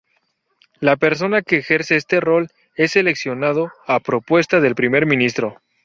La persona que ejerce este rol es seleccionada a propuesta del primer ministro.